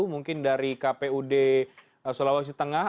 mungkin dari kpud sulawesi tengah